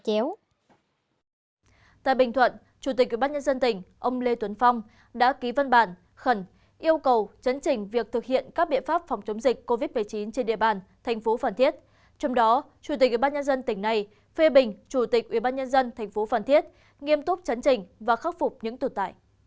chủ tịch ubnd tỉnh ông lê tuấn phong đã ký văn bản khẩn yêu cầu chấn trình việc thực hiện các biện pháp phòng chống dịch covid một mươi chín trên địa bàn tp phàn thiết trong đó chủ tịch ubnd tỉnh này phê bình chủ tịch ubnd tp phàn thiết nghiêm túc chấn trình và khắc phục những tồn tại